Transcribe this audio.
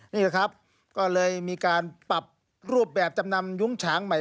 นี่แหละครับก็เลยมีการปรับรูปแบบจำนำยุ้งฉางใหม่